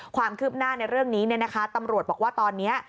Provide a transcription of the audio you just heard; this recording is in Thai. ความคืบหน้าในเรื่องนี้ตำรวจบอกว่าตอนนี้